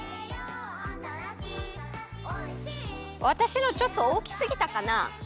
わたしのちょっとおおきすぎたかな？